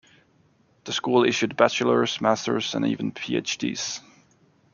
The school issued Bachelor's, Master's, and even PhDs.